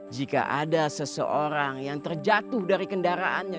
jika ada seseorang yang terjatuh dari kendaraannya